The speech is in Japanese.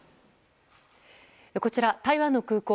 こちら、台湾の空港。